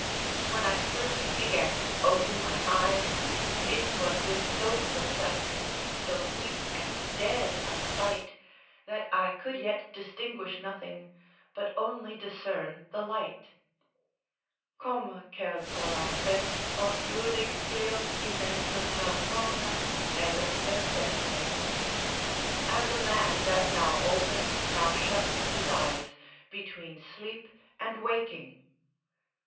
When I first began to open my eyes, it was with so perplexed, so weak and dead a sight, that I could yet distinguish nothing but only discern the light: "Come quel ch'or apre, or'chiude Gli occhi, mezzo tra'l sonno e l'esser desto." ["As a man that now opens, now shuts his eyes, between sleep and waking."